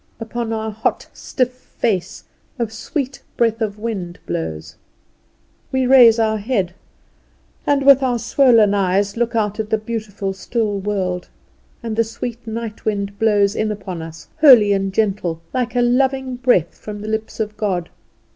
Upon our hot stiff face a sweet breath of wind blows. We raise our head, and with our swollen eyes look out at the beautiful still world, and the sweet night wind blows in upon us, holy and gentle, like a loving breath from the lips of God.